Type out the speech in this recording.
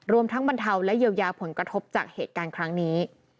รวมทั้งบรรเทาและเยียวยาผลกระทบจากเหตุการณ์ครั้งนี้